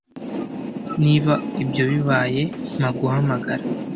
Niba ibyo bibaye mpa guhamagara